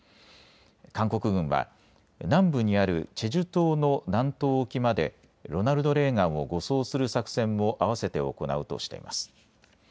韓国軍は南部にあるチェジュ島の南東沖までロナルド・レーガンを護送する作戦もあわせて行うとしています。